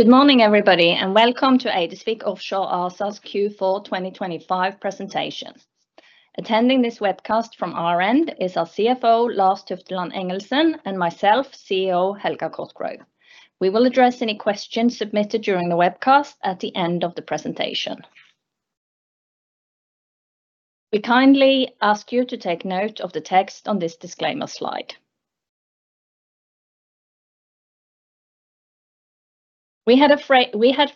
Good morning, everybody, and welcome to Eidesvik Offshore ASA's Q4 2025 presentation. Attending this webcast from our end is our CFO, Lars Tufteland Engelsen, and myself, CEO Helga Cotgrove. We will address any questions submitted during the webcast at the end of the presentation. We kindly ask you to take note of the text on this disclaimer slide. We had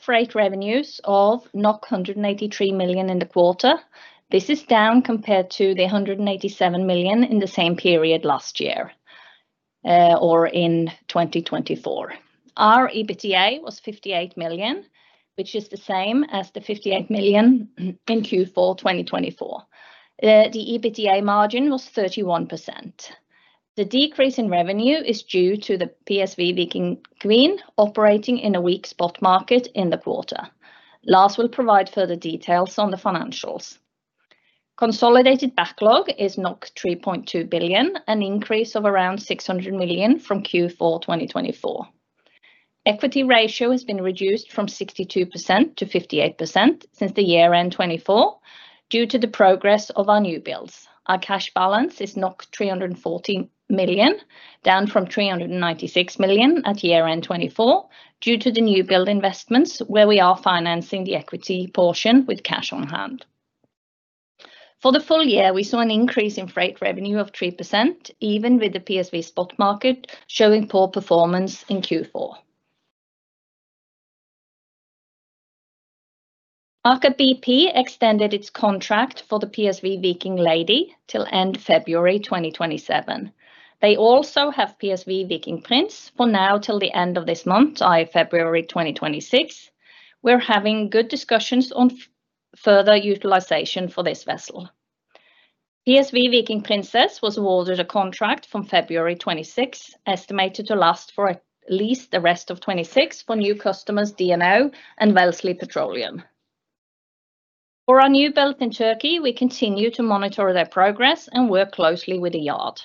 freight revenues of 183 million in the quarter. This is down compared to the 187 million in the same period last year, or in 2024. Our EBITDA was 58 million, which is the same as the 58 million in Q4 2024. The EBITDA margin was 31%. The decrease in revenue is due to the PSV Viking Queen operating in a weak spot market in the quarter. Lars will provide further details on the financials. Consolidated backlog is 3.2 billion, an increase of around 600 million from Q4 2024. Equity ratio has been reduced from 62% to 58% since the year end 2024 due to the progress of our new builds. Our cash balance is 340 million, down from 396 million at year end 2024, due to the new build investments, where we are financing the equity portion with cash on hand. For the full year, we saw an increase in freight revenue of 3%, even with the PSV spot market showing poor performance in Q4. BP extended its contract for the PSV Viking Lady till end February 2027. They also have PSV Viking Prince for now till the end of this month, i.e., February 2026. We're having good discussions on further utilization for this vessel. PSV Viking Princess was awarded a contract from February 2026, estimated to last for at least the rest of 2026 for new customers, DNO and Wellesley Petroleum. For our new build in Turkey, we continue to monitor their progress and work closely with the yard.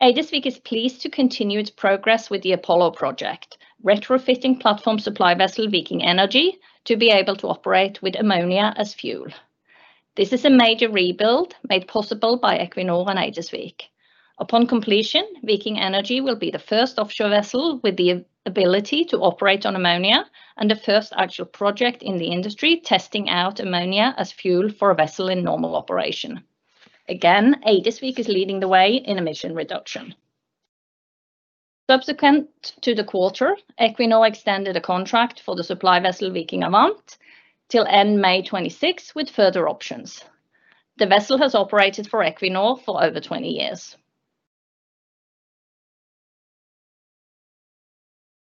Eidesvik is pleased to continue its progress with the Apollo project, retrofitting platform supply vessel Viking Energy to be able to operate with ammonia as fuel. This is a major rebuild made possible by Equinor and Eidesvik. Upon completion, Viking Energy will be the first offshore vessel with the ability to operate on ammonia and the first actual project in the industry, testing out ammonia as fuel for a vessel in normal operation. Eidesvik is leading the way in emission reduction. Subsequent to the quarter, Equinor extended a contract for the supply vessel Viking Avant till end May 2026, with further options. The vessel has operated for Equinor for over 20 years.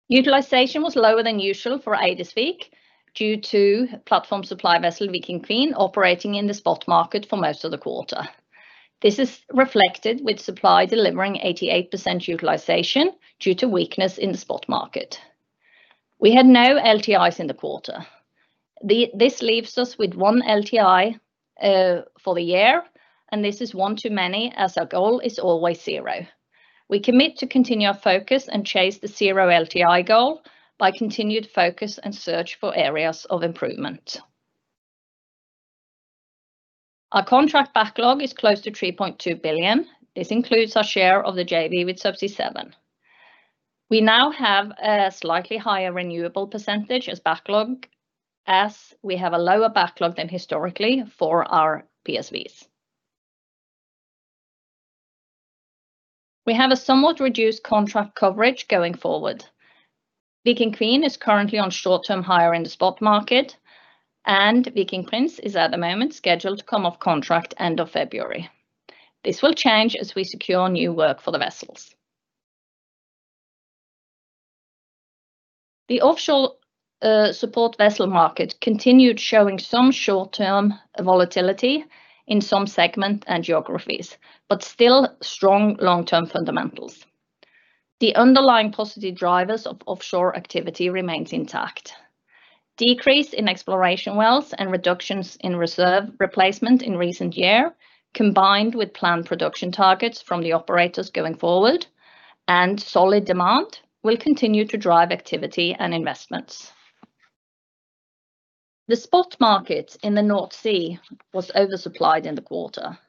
Utilization was lower than usual for Eidesvik due to platform supply vessel Viking Queen operating in the spot market for most of the quarter. This is reflected with supply delivering 88% utilization due to weakness in the spot market. We had no LTIs in the quarter. This leaves us with 1 LTI for the year, and this is one too many, as our goal is always zero. We commit to continue our focus and chase the zero LTI goal by continued focus and search for areas of improvement. Our contract backlog is close to 3.2 billion. This includes our share of the JV with Subsea 7. We now have a slightly higher renewable percentage as backlog, as we have a lower backlog than historically for our PSVs. We have a somewhat reduced contract coverage going forward. Viking Queen is currently on short-term hire in the spot market, and Viking Prince is, at the moment, scheduled to come off contract end of February. This will change as we secure new work for the vessels. The offshore support vessel market continued showing some short-term volatility in some segments and geographies, but still strong long-term fundamentals. The underlying positive drivers of offshore activity remains intact. Decrease in exploration wells and reductions in reserve replacement in recent year, combined with planned production targets from the operators going forward and solid demand, will continue to drive activity and investments. The spot market in the North Sea was oversupplied in the quarter,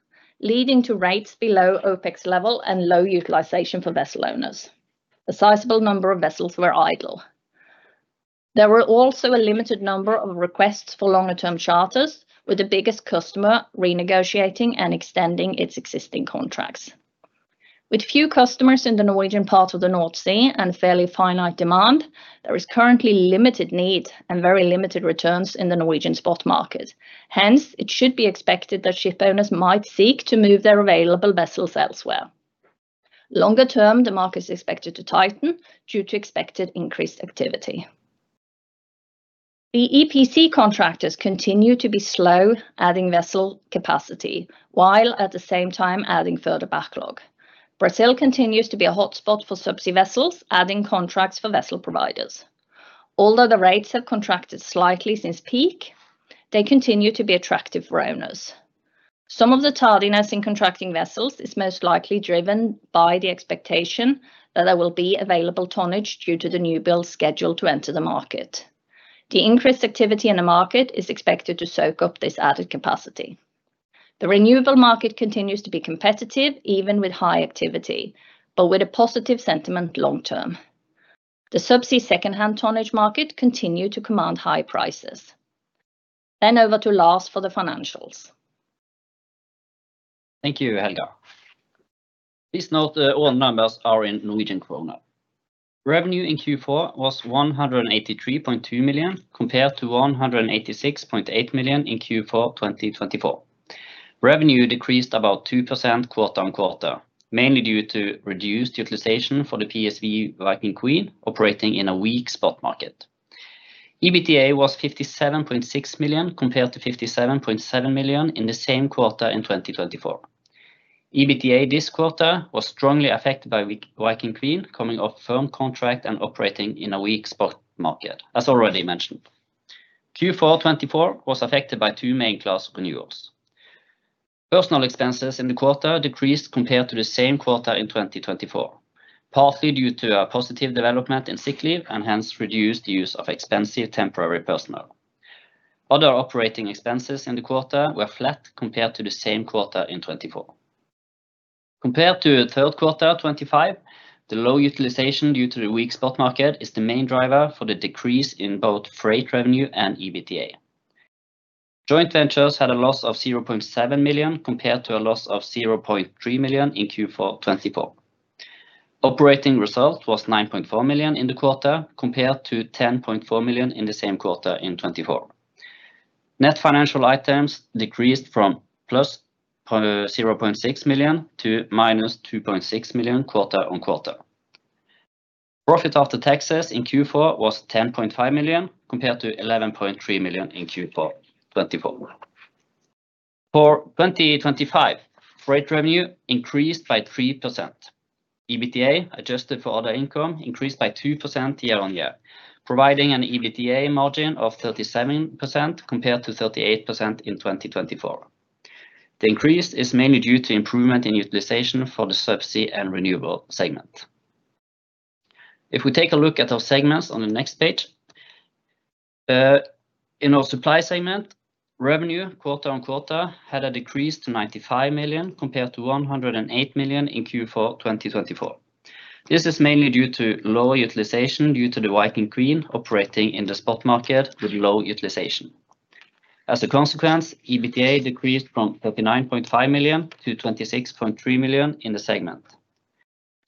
leading to rates below OpEx level and low utilization for vessel owners. A sizable number of vessels were idle. There were also a limited number of requests for longer term charters, with the biggest customer renegotiating and extending its existing contracts. With few customers in the Norwegian part of the North Sea and fairly finite demand, there is currently limited need and very limited returns in the Norwegian spot market. Hence, it should be expected that ship owners might seek to move their available vessels elsewhere. Longer term, the market is expected to tighten due to expected increased activity. The EPC contractors continue to be slow, adding vessel capacity, while at the same time adding further backlog. Brazil continues to be a hotspot for subsea vessels, adding contracts for vessel providers. Although the rates have contracted slightly since peak, they continue to be attractive for owners. Some of the tardiness in contracting vessels is most likely driven by the expectation that there will be available tonnage due to the new build schedule to enter the market. The increased activity in the market is expected to soak up this added capacity. The renewable market continues to be competitive, even with high activity, but with a positive sentiment long term. The subsea secondhand tonnage market continues to command high prices. over to Lars for the financials. Thank you, Helga. Please note, all numbers are in Norwegian kroner. Revenue in Q4 was 183.2 million, compared to 186.8 million in Q4 2024. Revenue decreased about 2% quarter-on-quarter, mainly due to reduced utilization for the PSV Viking Queen operating in a weak spot market. EBITDA was 57.6 million, compared to 57.7 million in the same quarter in 2024. EBITDA this quarter was strongly affected by Viking Queen coming off firm contract and operating in a weak spot market, as already mentioned. Q4 2024 was affected by two main class renewals. Personal expenses in the quarter decreased compared to the same quarter in 2024, partly due to a positive development in sick leave and hence reduced use of expensive temporary personnel. Other operating expenses in the quarter were flat compared to the same quarter in 2024. Compared to the third quarter of 2025, the low utilization due to the weak spot market is the main driver for the decrease in both freight revenue and EBITDA. Joint ventures had a loss of 0.7 million, compared to a loss of 0.3 million in Q4 2024. Operating result was 9.4 million in the quarter, compared to 10.4 million in the same quarter in 2024. Net financial items decreased from plus 0.6 million to minus 2.6 million quarter-on-quarter. Profit after taxes in Q4 was 10.5 million, compared to 11.3 million in Q4 2024. For 2025, freight revenue increased by 3%. EBITDA, adjusted for other income, increased by 2% year-over-year, providing an EBITDA margin of 37% compared to 38% in 2024. The increase is mainly due to improvement in utilization for the subsea and renewable segment. If we take a look at our segments on the next page. In our supply segment, revenue quarter-over-quarter had a decrease to 95 million, compared to 108 million in Q4 2024. This is mainly due to lower utilization due to the Viking Queen operating in the spot market with low utilization. As a consequence, EBITDA decreased from 39.5 million to 26.3 million in the segment.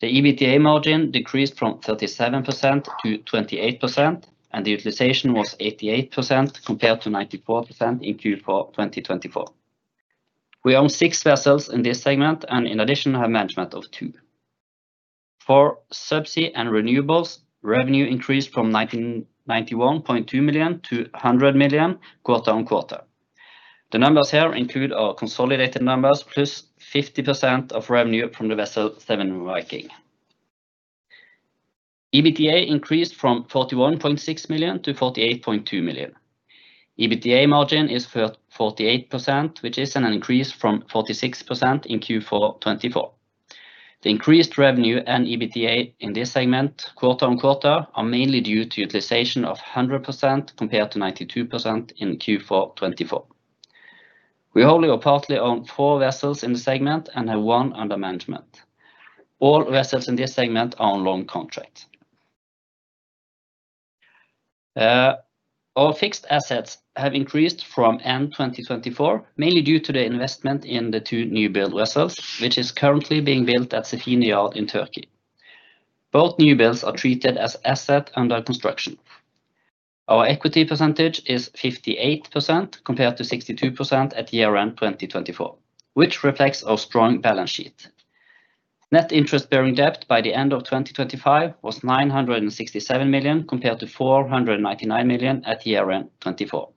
The EBITDA margin decreased from 37% to 28%, and the utilization was 88%, compared to 94% in Q4 2024. We own six vessels in this segment, and in addition, have management of two. For subsea and renewables, revenue increased from 191.2 million to 100 million quarter-on-quarter. The numbers here include our consolidated numbers, plus 50% of revenue from the vessel Seven Viking. EBITDA increased from 41.6 million to 48.2 million. EBITDA margin is 48%, which is an increase from 46% in Q4 2024. The increased revenue and EBITDA in this segment, quarter-on-quarter, are mainly due to utilization of 100%, compared to 92% in Q4 2024. We wholly or partly own four vessels in the segment and have one under management. All vessels in this segment are on long contract. Our fixed assets have increased from end 2024, mainly due to the investment in the two new build vessels, which is currently being built at Sefine Shipyard in Turkey. Both new builds are treated as asset under construction. Our equity percentage is 58%, compared to 62% at year end 2024, which reflects our strong balance sheet. Net interest bearing debt by the end of 2025 was 967 million, compared to 499 million at year end 2024.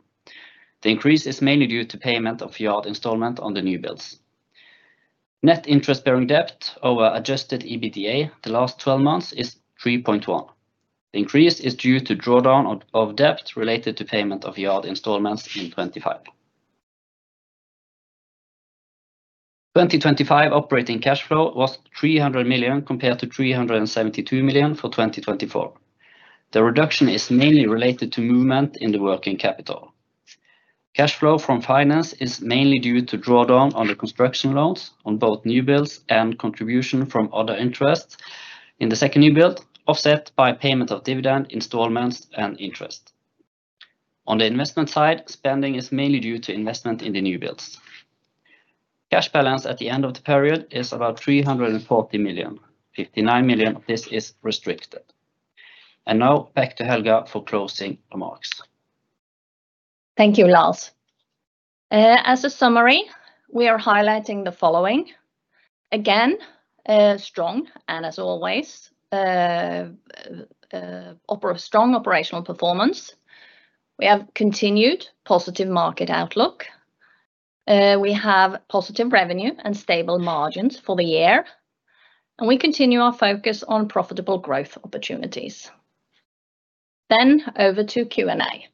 The increase is mainly due to payment of yard installment on the new builds. Net interest bearing debt over adjusted EBITDA the last 12 months is 3.1. The increase is due to drawdown of debt related to payment of yard installments in 2025. 2025 operating cash flow was 300 million, compared to 372 million for 2024. The reduction is mainly related to movement in the working capital. Cash flow from finance is mainly due to drawdown on the construction loans on both new builds and contribution from other interests in the second new build, offset by payment of dividend installments and interest. On the investment side, spending is mainly due to investment in the new builds. Cash balance at the end of the period is about 340 million, 59 million of this is restricted. Now back to Helga for closing remarks. Thank you, Lars. As a summary, we are highlighting the following. Again, strong and as always, strong operational performance. We have continued positive market outlook. We have positive revenue and stable margins for the year. We continue our focus on profitable growth opportunities. Over to Q&A.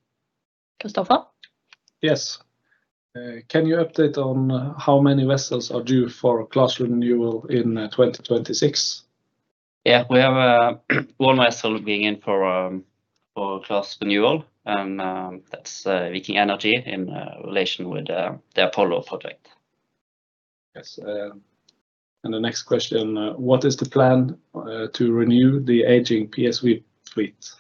Christopher? Yes. Can you update on how many vessels are due for class renewal in 2026? We have one vessel being in for for class renewal, and that's Viking Energy in relation with the Apollo project. Yes, the next question: What is the plan to renew the aging PSV fleet?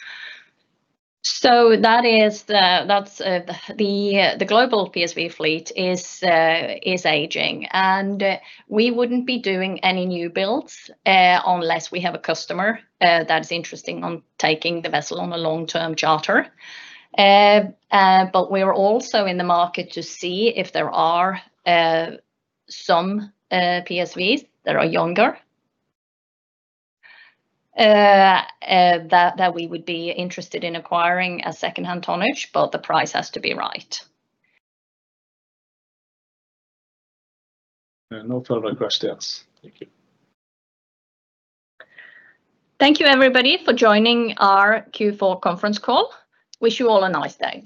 That's the global PSV fleet is aging, and we wouldn't be doing any new builds unless we have a customer that is interesting on taking the vessel on a long-term charter. We are also in the market to see if there are some PSVs that are younger that we would be interested in acquiring a second-hand tonnage, but the price has to be right. No further questions. Thank you. Thank you, everybody, for joining our Q4 conference call. Wish you all a nice day.